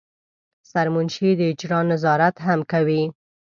سرمنشي د اجرا نظارت هم کوي.